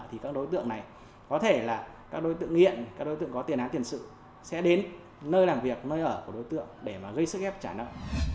thì các đối tượng này có thể là các đối tượng nghiện các đối tượng có tiền án tiền sự sẽ đến nơi làm việc nơi ở của đối tượng để gây sức ép trả nợ